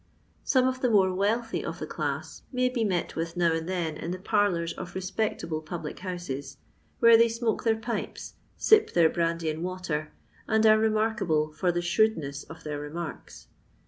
Some of the more wealthy of the claas may be met with now and then in the parlours of respectable public honaesy where they smoke their pipes, sip their brandy and water, and are remarkable for the abrewdness of their remarks.